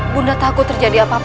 bunda takut terjadi apa apa